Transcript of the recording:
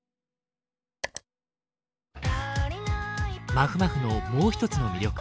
まふまふのもう一つの魅力